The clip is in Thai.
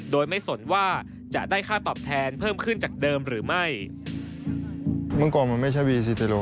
โดยไม่สนว่าจะได้ค่าตอบแทนเพิ่มขึ้นจากเดิมหรือไม่